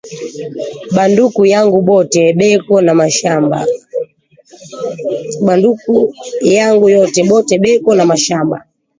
Ba nduku yangu bote beko na mashamba